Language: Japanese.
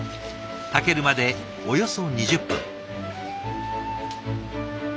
炊けるまでおよそ２０分。